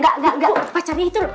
ga ga ga pacarnya itu loh